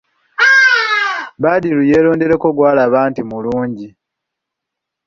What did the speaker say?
Badru yeerondereko gw'alaba nti mulungi.